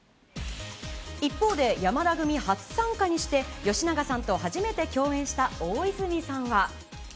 一方で、山田組初参加にして、吉永さんと初めて共演した大泉さんは。